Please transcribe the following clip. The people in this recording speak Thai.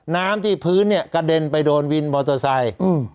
น้ำที่พื้นเนี่ยกระเด็นไปโดนวินมอเตอร์ไซค์